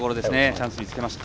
チャンスにつけました。